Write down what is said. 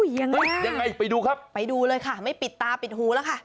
ยังไงยังไงไปดูครับไปดูเลยค่ะไม่ปิดตาปิดหูแล้วค่ะ